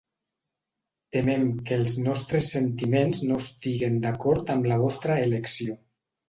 Temem que els nostres sentiments no estiguen d'acord amb la vostra elecció.